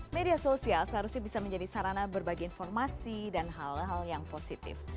media sosial seharusnya bisa menjadi sarana berbagi informasi dan hal hal yang positif